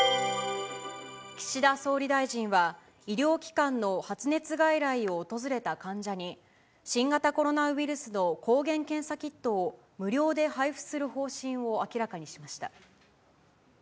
岸田総理大臣は、医療機関の発熱外来を訪れた患者に、新型コロナウイルスの抗原検査キットを無料で配布する方針を明らかにしました。